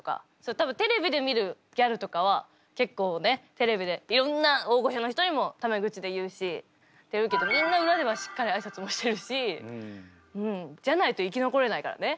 多分テレビで見るギャルとかは結構ねテレビでいろんな大御所の人にもタメ口で言うしって言うけどみんな裏ではしっかり挨拶もしてるしじゃないと生き残れないからね。